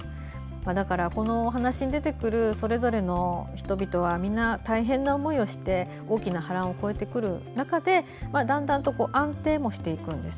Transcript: だからこの話に出てくるそれぞれの人々はみんな大変な思いをして大きな波乱を超えてくる中で、だんだんと安定もしていくんです。